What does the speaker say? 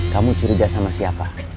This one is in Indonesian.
kamu curiga sama siapa